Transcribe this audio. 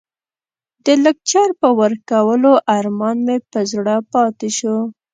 د لکچر د ورکولو ارمان مو په زړه پاتې شو.